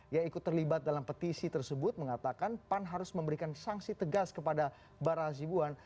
yang ikut terlibat dalam petisi tersebut mengatakan pan harus memberikan sanksi tegas kepada bara azibuan